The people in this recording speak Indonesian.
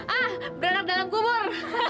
ah beranak dalam kubur